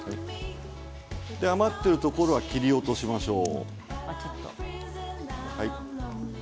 余っているところは切り落としましょう。